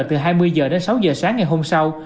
từ hai mươi h đến sáu giờ sáng ngày hôm sau